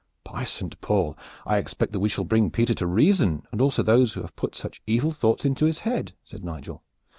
"By Saint Paul! I expect that we shall bring Peter to reason and also those who have put such evil thoughts into his head," said Nigel.